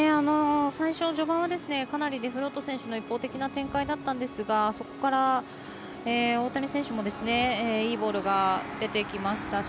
最初、序盤はかなりデフロート選手の一方的な展開だったんですがそこから、大谷選手もいいボールが出てきましたし。